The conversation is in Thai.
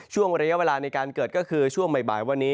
ช่วงระยะเวลาในการเกิดก็คือช่วงบ่ายวันนี้